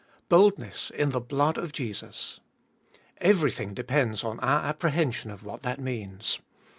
Boldness in the blood of Jesus. Everything depends upon our apprehension of what that means.